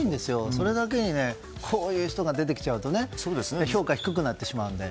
それだけにこういう人が出てきちゃうと評価が低くなってしまうので。